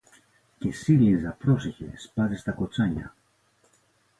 Και συ, Λίζα, πρόσεχε, σπάζεις τα κοτσάνια